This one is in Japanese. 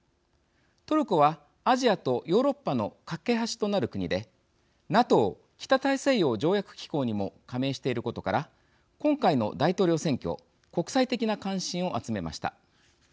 トルコはアジアとヨーロッパの懸け橋となる国でＮＡＴＯ北大西洋条約機構にも加盟していることから今回の大統領選挙国際的な関心を集めました。